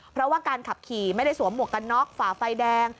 เพราะว่าการขับขี่ไม่ได้สวมหมวกกันน็อกฝ่าไฟแดง